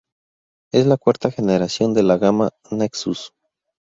Es la cuarta generación de la gama Nexus.